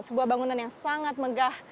sebuah bangunan yang sangat megah